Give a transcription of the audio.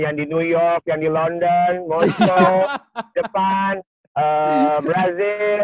yang di new york yang di london mojo jepang brazil